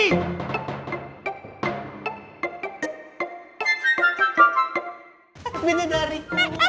ih justin apaan sih